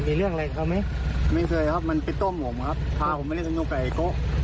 ไม่เคยครับมันไปโต้มผมครับพาผมไปเล่นสนุกไก่ไอโก้